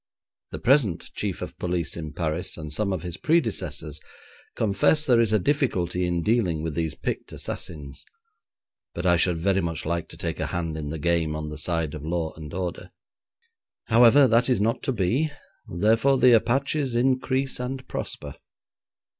The present Chief of Police in Paris and some of his predecessors confess there is a difficulty in dealing with these picked assassins, but I should very much like to take a hand in the game on the side of law and order. However, that is not to be; therefore, the Apaches increase and prosper.